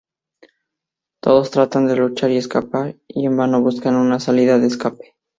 Todos tratan de luchar y escapar, y en vano buscan una salida de escape.